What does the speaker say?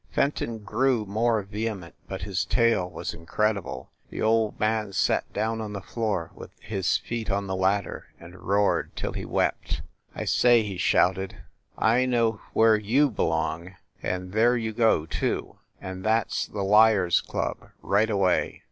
Fenton grew more vehement, but his tale was in credible. The old man sat down on the floor, with his feet on the ladder, and roared till he wept. "I say," he shouted, "I know where you belong, and there you go, too, and that s the Liars Club, right away.